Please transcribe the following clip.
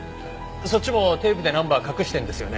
そっちもテープでナンバー隠してるんですよね？